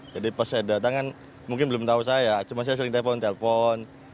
jadi pas saya datang kan mungkin belum tahu saya cuma saya sering telepon telepon